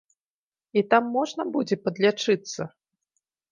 І там можна будзе падлячыцца?